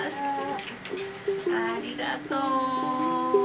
ありがとう！